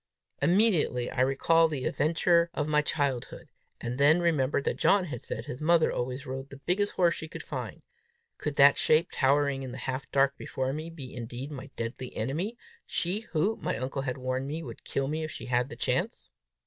Immediately I recalled the adventure of my childhood; and then remembered that John had said his mother always rode the biggest horse she could find: could that shape, towering in the half dark before me, be indeed my deadly enemy she who, my uncle had warned me, would kill me if she had the chance?